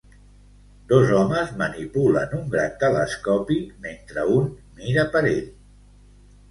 Dos homes manipulen un gran telescopi mentre un mira per ell.